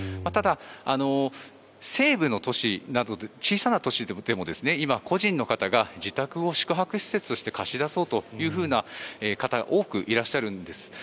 ただ、西部の都市小さな都市などでも今、個人の方が自宅を宿泊施設として貸し出そうというような方が多くいらっしゃるんです。